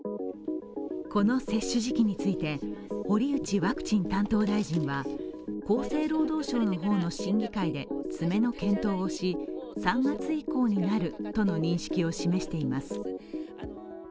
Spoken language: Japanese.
この接種時期について堀内ワクチン担当大臣は厚生労働省の方の審議会で詰めの検討をし３月以降になるとの認識を示しています。